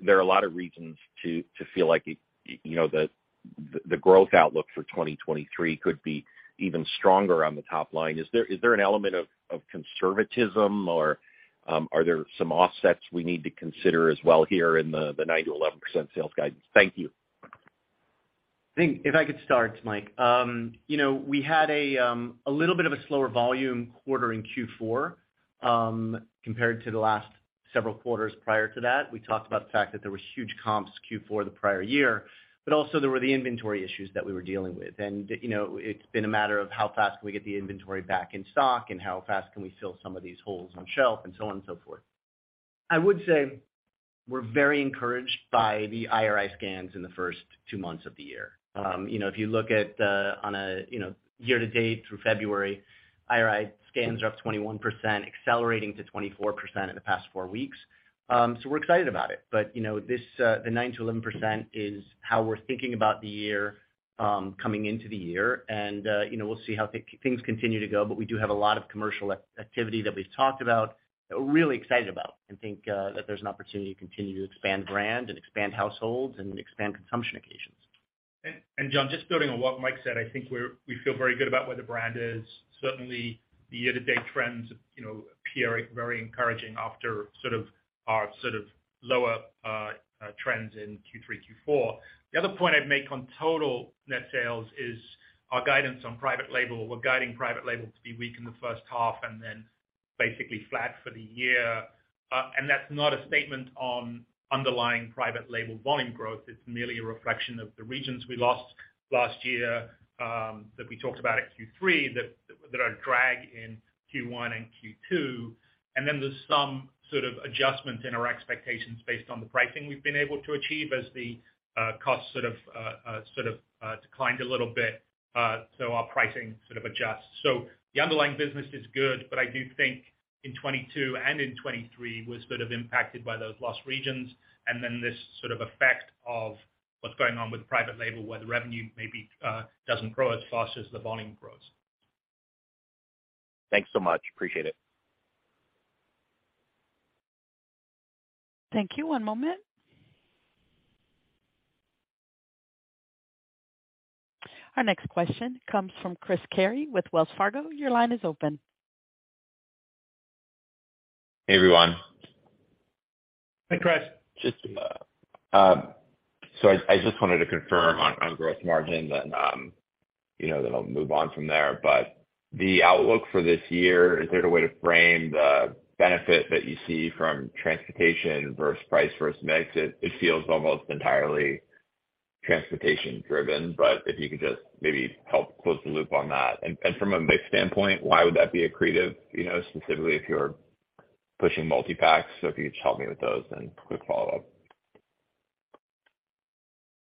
there are a lot of reasons to feel like it, you know, the growth outlook for 2023 could be even stronger on the top line. Is there an element of conservatism or are there some offsets we need to consider as well here in the 9%-11% sales guidance? Thank you. I think if I could start, Mike. You know, we had a little bit of a slower volume quarter in Q4 compared to the last several quarters prior to that. We talked about the fact that there was huge comps Q4 the prior year, but also there were the inventory issues that we were dealing with. You know, it's been a matter of how fast we can get the inventory back in stock and how fast can we fill some of these holes on shelf and so on and so forth. I would say we're very encouraged by the IRI scans in the first two months of the year. You know, if you look at, on a, you know, year to date through February, IRI scans are up 21%, accelerating to 24% in the past four weeks. We're excited about it. You know, this, the 9%-11% is how we're thinking about the year, coming into the year. You know, we'll see how things continue to go. We do have a lot of commercial activity that we've talked about that we're really excited about and think that there's an opportunity to continue to expand brand and expand households and expand consumption occasions. Jon, just building on what Mike said, I think we feel very good about where the brand is. Certainly, the year-to-date trends, you know, appear very encouraging after sort of our sort of lower trends in Q3, Q4. The other point I'd make on total net sales is our guidance on private label. We're guiding private label to be weak in the first half and then basically flat for the year. That's not a statement on underlying private label volume growth. It's merely a reflection of the regions we lost last year, that we talked about at Q3 that are a drag in Q1 and Q2. There's some sort of adjustments in our expectations based on the pricing we've been able to achieve as the costs sort of declined a little bit, so our pricing sort of adjusts. The underlying business is good, but I do think in 2022 and in 2023 was sort of impacted by those lost regions and then this sort of effect of what's going on with private label where the revenue maybe doesn't grow as fast as the volume grows. Thanks so much. Appreciate it. Thank you. One moment. Our next question comes from Chris Carey with Wells Fargo. Your line is open. Hey, everyone. Hi, Chris. Just I just wanted to confirm on gross margin, then, you know, then I'll move on from there. The outlook for this year, is there a way to frame the benefit that you see from transportation versus price versus mix? It feels almost entirely transportation driven, but if you could just maybe help close the loop on that. And from a mix standpoint, why would that be accretive, you know, specifically if you're pushing multi-packs? If you could just help me with those, then quick follow-up.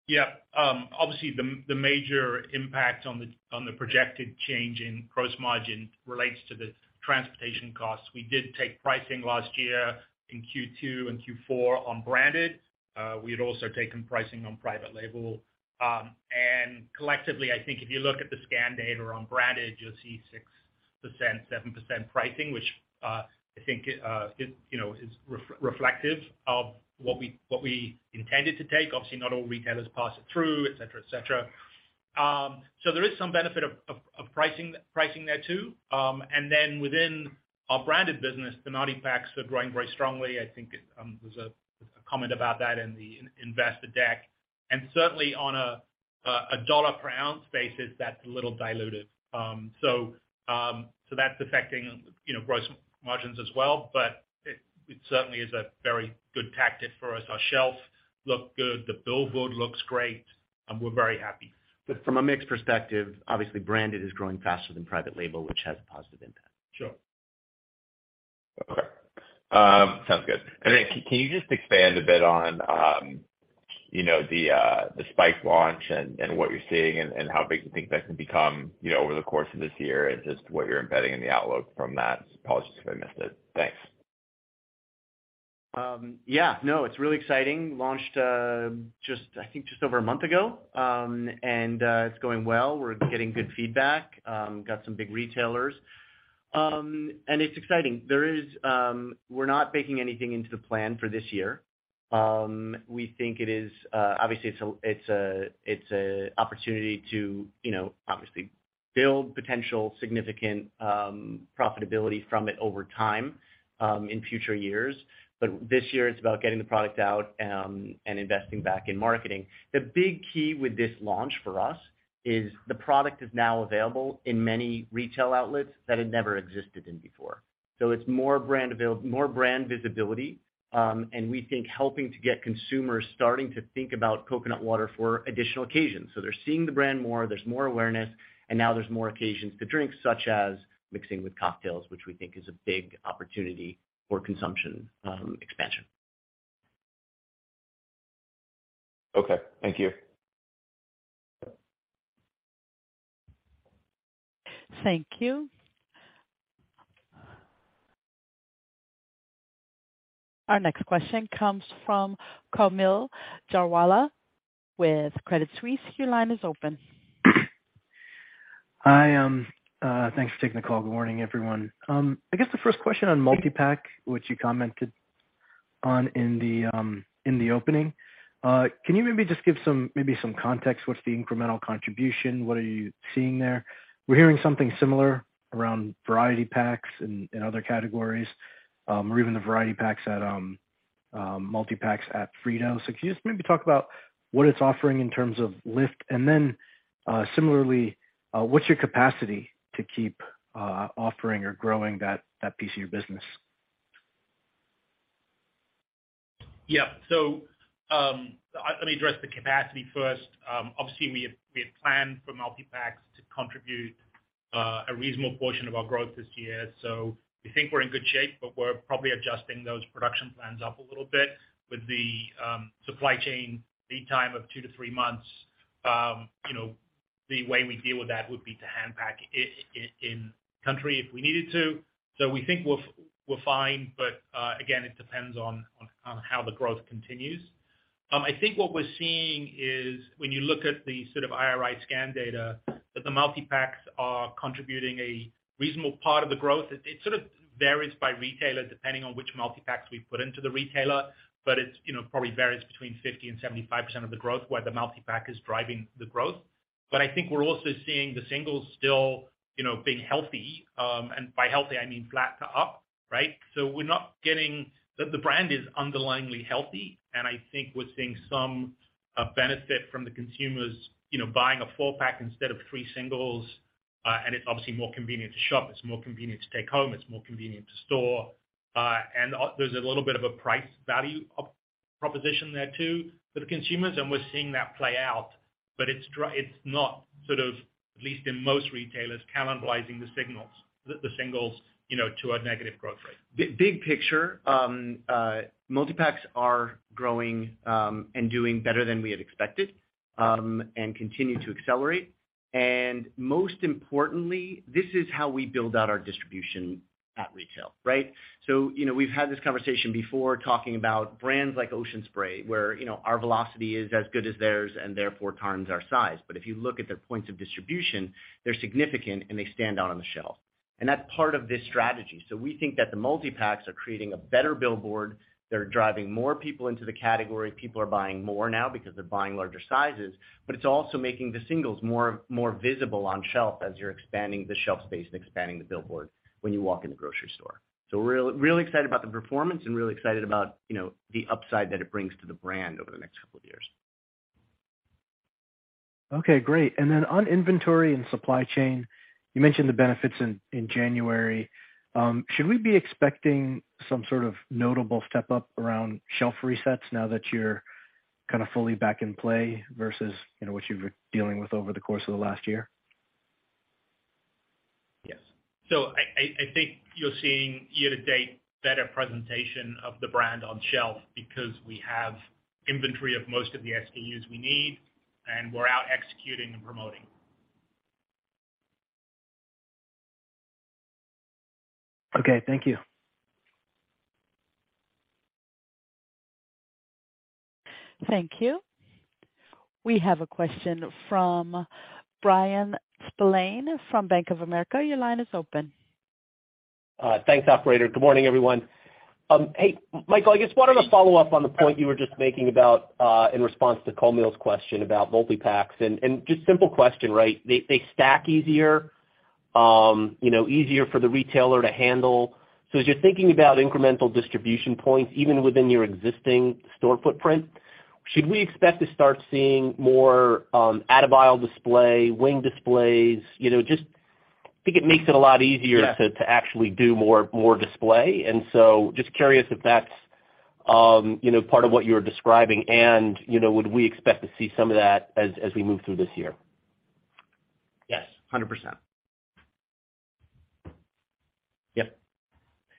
Yeah. Obviously the major impact on the projected change in gross margin relates to the transportation costs. We did take pricing last year in Q2 and Q4 on branded. We had also taken pricing on private label. Collectively, I think if you look at the scan data on branded, you'll see 6%, 7% pricing, which, you know, is reflective of what we, what we intended to take. Obviously, not all retailers pass it through, et cetera, et cetera. There is some benefit of pricing there too. Within our branded business, the 90 packs are growing very strongly. I think it, there's a comment about that in the investor deck, and certainly on a dollar per ounce basis that's a little diluted. That's affecting, you know, gross margins as well, but it certainly is a very good tactic for us. Our shelves look good. The billboard looks great, and we're very happy. From a mix perspective, obviously branded is growing faster than private label, which has a positive impact. Sure. Okay. Sounds good. Can you just expand a bit on, you know, the Spike launch and how big you think that can become, you know, over the course of this year and just what you're embedding in the outlook from that? Apologies if I missed it. Thanks. Yeah, no, it's really exciting. Launched, just, I think just over 1 month ago, it's going well. We're getting good feedback. Got some big retailers. It's exciting. We're not taking anything into the plan for this year. We think it is obviously it's an opportunity to, you know, obviously build potential significant profitability from it over time in future years. This year it's about getting the product out and investing back in marketing. The big key with this launch for us is the product is now available in many retail outlets that it never existed in before. It's more brand visibility, and we think helping to get consumers starting to think about Coconut Water for additional occasions. They're seeing the brand more, there's more awareness, and now there's more occasions to drink, such as mixing with cocktails, which we think is a big opportunity for consumption, expansion. Okay, thank you. Thank you. Our next question comes from Kaumil Gajrawala with Credit Suisse. Your line is open. Hi, thanks for taking the call. Good morning, everyone. I guess the first question on multi-pack, which you commented on in the opening, can you maybe just give some, maybe some context? What's the incremental contribution? What are you seeing there? We're hearing something similar around variety packs in other categories, or even the variety packs at multi-packs at Frito-Lay. Can you just maybe talk about what it's offering in terms of lift? Similarly, what's your capacity to keep offering or growing that piece of your business? Let me address the capacity first. Obviously, we had planned for multi-packs to contribute a reasonable portion of our growth this year. We think we're in good shape, but we're probably adjusting those production plans up a little bit with the supply chain lead time of 2 to 3 months. You know, the way we deal with that would be to hand pack in country if we needed to. We think we're fine, but again, it depends on how the growth continues. I think what we're seeing is when you look at the sort of IRI scan data, that the multi-packs are contributing a reasonable part of the growth. It sort of varies by retailer depending on which multi-packs we put into the retailer, but it's, you know, probably varies between 50%-75% of the growth where the multi-pack is driving the growth. I think we're also seeing the singles still, you know, being healthy, and by healthy I mean flat to up, right? We're not getting. The brand is underlyingly healthy, and I think we're seeing some benefit from the consumers, you know, buying a 4-pack instead of 3 singles. There's a little bit of a price value proposition there too for the consumers, and we're seeing that play out. It's not sort of, at least in most retailers, cannibalizing the signals, the singles, you know, to a negative growth rate. Big picture, multi-packs are growing and doing better than we had expected and continue to accelerate. Most importantly, this is how we build out our distribution at retail, right? You know, we've had this conversation before talking about brands like Ocean Spray, where, you know, our velocity is as good as theirs and therefore times our size. If you look at their points of distribution, they're significant and they stand out on the shelf. That's part of this strategy. We think that the multi-packs are creating a better billboard. They're driving more people into the category. People are buying more now because they're buying larger sizes, but it's also making the singles more visible on shelf as you're expanding the shelf space and expanding the billboard when you walk in the grocery store. We're really excited about the performance and really excited about, you know, the upside that it brings to the brand over the next couple of years. Okay, great. On inventory and supply chain, you mentioned the benefits in January. Should we be expecting some sort of notable step up around shelf resets now that you're kinda fully back in play versus, you know, what you've been dealing with over the course of the last year? Yes. I think you're seeing year-to-date better presentation of the brand on shelf because we have inventory of most of the SKUs we need, and we're out executing and promoting. Okay, thank you. Thank you. We have a question from Bryan Spillane from Bank of America. Your line is open. Thanks, operator. Good morning, everyone. Hey, Michael, I just wanted to follow up on the point you were just making about, in response to Kaumil's question about multi-packs. Just simple question, right? They stack easier, you know, easier for the retailer to handle. As you're thinking about incremental distribution points, even within your existing store footprint, should we expect to start seeing more, out of aisle display, wing displays? You know, just think it makes it a lot easier. Yeah. to actually do more display. Just curious if that's, you know, part of what you're describing. You know, would we expect to see some of that as we move through this year? Yes, 100%.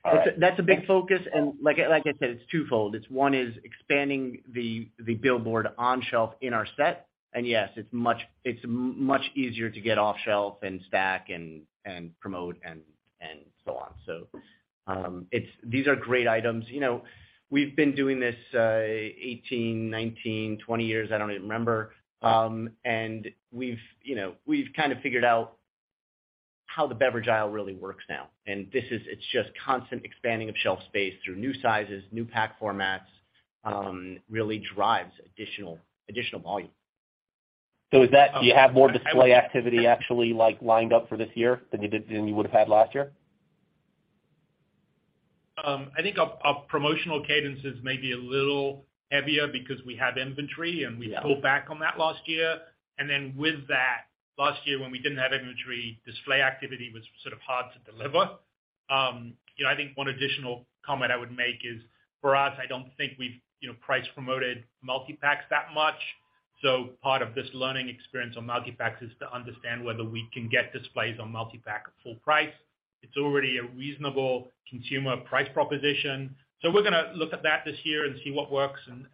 Yep. All right. That's a big focus. Like I said, it's twofold. It's one is expanding the billboard on shelf in our set. Yes, it's much easier to get off shelf and stack and promote and so on. These are great items. You know, we've been doing this, 18, 19, 20 years, I don't even remember. We've, you know, we've kind of figured out how the beverage aisle really works now, it's just constant expanding of shelf space through new sizes, new pack formats, really drives additional volume. Do you have more display activity actually, like, lined up for this year than you would have had last year? I think our promotional cadence is maybe a little heavier because we have inventory, and we pulled back on that last year. With that, last year when we didn't have inventory, display activity was sort of hard to deliver. You know, I think one additional comment I would make is, for us, I don't think we've, you know, price promoted multi-packs that much. Part of this learning experience on multi-packs is to understand whether we can get displays on multi-pack at full price. It's already a reasonable consumer price proposition. We're gonna look at that this year and see what works and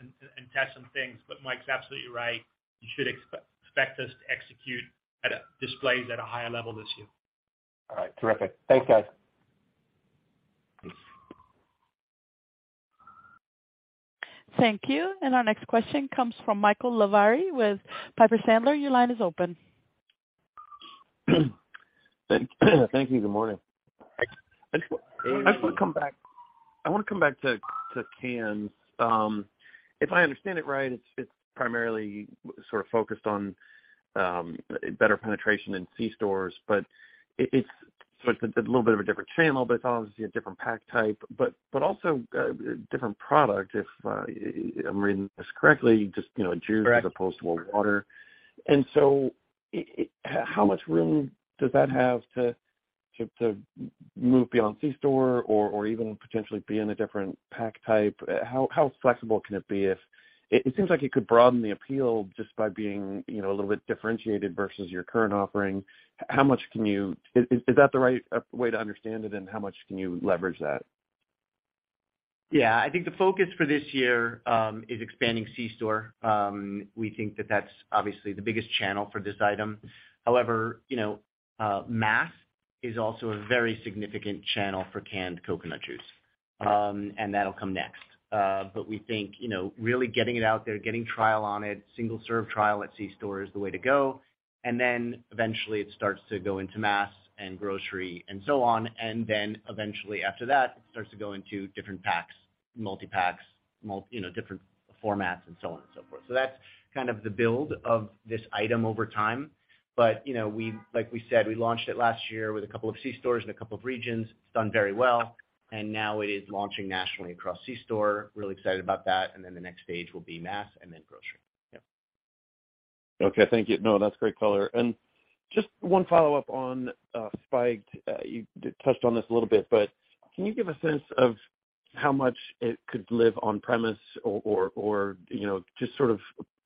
test some things. Mike's absolutely right. You should expect us to execute displays at a higher level this year. All right. Terrific. Thanks, guys. Thanks. Thank you. Our next question comes from Michael Lavery with Piper Sandler. Your line is open. Thank you. Good morning. I wanna come back to cans. If I understand it right, it's primarily sort of focused on better penetration in C-stores, but it's sort of a little bit of a different channel, but it's obviously a different pack type, but also a different product, if I'm reading this correctly, just, you know, juice- Correct. As opposed to a water. How much room does that have to move beyond C-store or even potentially be in a different pack type? How flexible can it be if. It seems like it could broaden the appeal just by being, you know, a little bit differentiated versus your current offering. How much can you, is that the right way to understand it, and how much can you leverage that? Yeah. I think the focus for this year is expanding C-store. We think that that's obviously the biggest channel for this item. However, you know, mass is also a very significant channel for canned coconut juice, and that'll come next. We think, you know, really getting it out there, getting trial on it, single serve trial at C-store is the way to go. Eventually it starts to go into mass and grocery and so on. Eventually after that, it starts to go into different packs, multi-packs, you know, different formats and so on and so forth. That's kind of the build of this item over time. You know, like we said, we launched it last year with a couple of C-stores in a couple of regions. It's done very well, now it is launching nationally across C-store. Really excited about that. Then the next stage will be mass and then grocery. Yeah. Okay. Thank you. No, that's great color. Just one follow-up on Spiked. You touched on this a little bit, but can you give a sense of how much it could live on premise or, you know, just sort of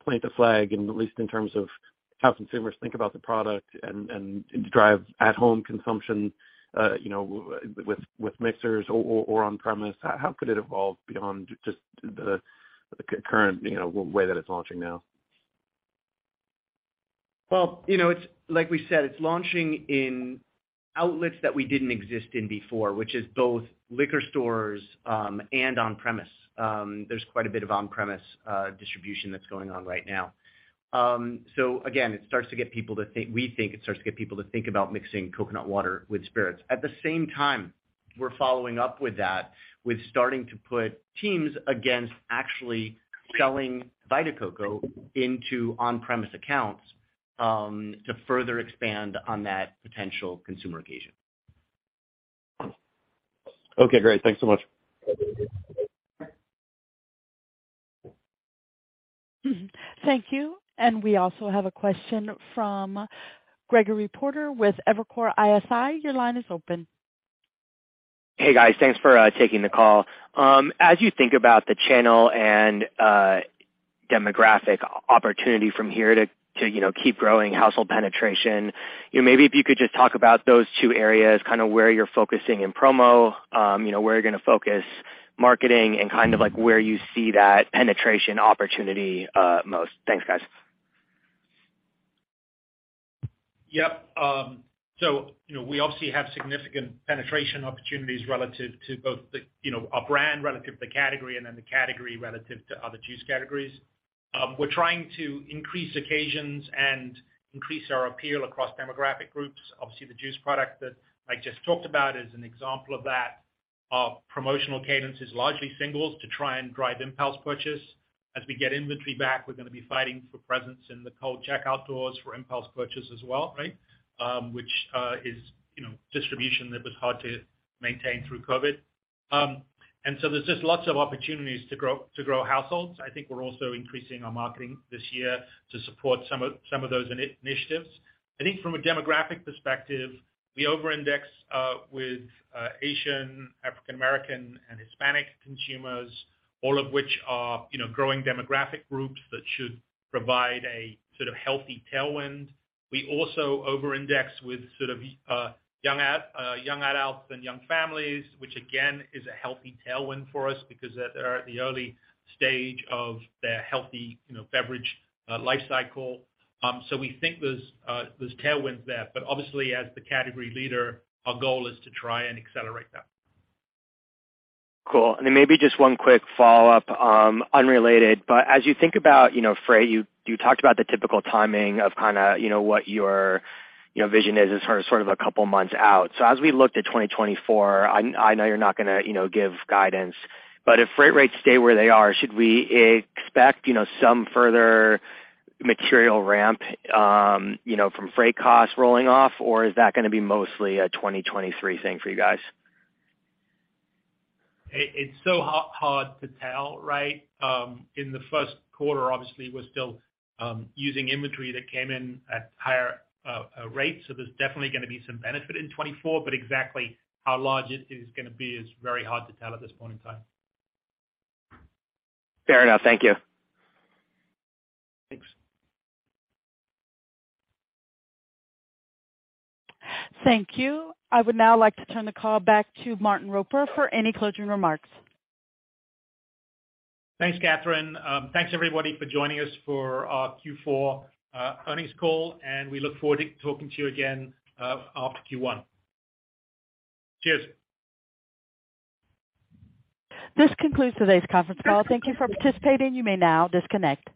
plant a flag and at least in terms of how consumers think about the product and drive at-home consumption, you know, with mixers or on premise? How could it evolve beyond just the current, you know, way that it's launching now? You know, it's like we said, it's launching in outlets that we didn't exist in before, which is both liquor stores and on-premises. There's quite a bit of on-premises distribution that's going on right now. Again, we think it starts to get people to think about mixing Coconut Water with spirits. At the same time, we're following up with that, with starting to put teams against actually selling Vita Coco into on-premises accounts to further expand on that potential consumer occasion. Okay, great. Thanks so much. Thank you. We also have a question from Gregory Porter with Evercore ISI. Your line is open. Hey, guys. Thanks for taking the call. As you think about the channel and demographic opportunity from here to, you know, keep growing household penetration, you know, maybe if you could just talk about those two areas, kind of where you're focusing in promo, you know, where you're gonna focus marketing and kind of like where you see that penetration opportunity, most. Thanks, guys. You know, we obviously have significant penetration opportunities relative to both the, you know, our brand relative to the category and then the category relative to other juice categories. We're trying to increase occasions and increase our appeal across demographic groups. Obviously, the juice product that I just talked about is an example of that. Our promotional cadence is largely singles to try and drive impulse purchase. As we get inventory back, we're gonna be fighting for presence in the cold checkout doors for impulse purchase as well, right? Which is, you know, distribution that was hard to maintain through COVID. There's just lots of opportunities to grow households. I think we're also increasing our marketing this year to support some of those initiatives. I think from a demographic perspective, we over-index with Asian, African American, and Hispanic consumers, all of which are, you know, growing demographic groups that should provide a sort of healthy tailwind. We also over-index with sort of young adults and young families, which again, is a healthy tailwind for us because they are at the early stage of their healthy, you know, beverage life cycle. We think there's tailwinds there. Obviously, as the category leader, our goal is to try and accelerate that. Cool. Maybe just one quick follow-up, unrelated. As you think about, you know, freight, you talked about the typical timing of kinda, you know, what your, you know, vision is as far as sort of a couple of months out. As we look to 2024, I know you're not gonna, you know, give guidance, but if freight rates stay where they are, should we expect, you know, some further material ramp, you know, from freight costs rolling off, or is that gonna be mostly a 2023 thing for you guys? It's so hard to tell, right? In the first quarter, obviously, we're still using inventory that came in at higher rates, so there's definitely gonna be some benefit in 24, but exactly how large it is gonna be is very hard to tell at this point in time. Fair enough. Thank you. Thanks. Thank you. I would now like to turn the call back to Martin Roper for any closing remarks. Thanks, Catherine. thanks everybody for joining us for our Q4 earnings call, and we look forward to talking to you again after Q1. Cheers. This concludes today's conference call. Thank you for participating. You may now disconnect.